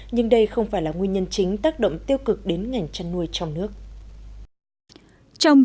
nhưng đây không phải là nguyên nhân chính tác động tiêu cực đến ngành chăn nuôi trong nước